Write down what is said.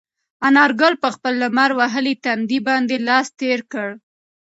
انارګل په خپل لمر وهلي تندي باندې لاس تېر کړ.